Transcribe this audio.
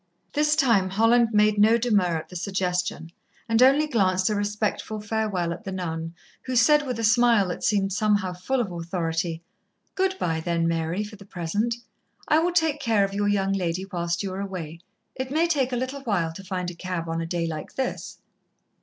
This time Holland made no demur at the suggestion, and only glanced a respectful farewell at the nun, who said, with a smile that seemed somehow full of authority: "Good bye, then, Mary, for the present. I will take care of your young lady whilst you are away. It may take a little while to find a cab on a day like this."